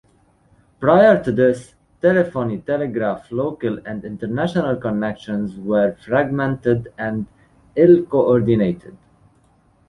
Prior to this, telephony, telegraphy, local and international connections were fragmented and ill-coordinated.